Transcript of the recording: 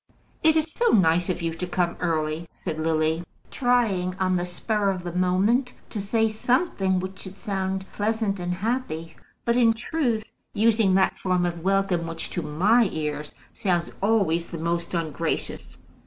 "It is so nice of you to come early," said Lily, trying on the spur of the moment to say something which should sound pleasant and happy, but in truth using that form of welcome which to my ears sounds always the most ungracious.